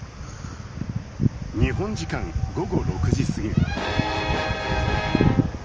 日本時間午後６時過ぎ。